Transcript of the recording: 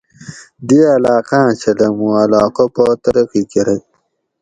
دی علاقاۤں چھلہ مُوں علاقہ پا ترقی کۤرئی